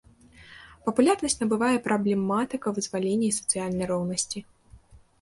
Папулярнасць набывае праблематыка вызвалення і сацыяльнай роўнасці.